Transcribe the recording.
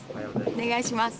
お願いします。